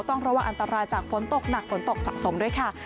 ต้องระวังอันตรายจากฝนตกหนักฝนตกสะสมด้วยค่ะ